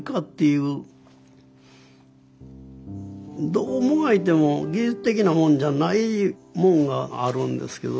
どうもがいても技術的なもんじゃないもんがあるんですけど。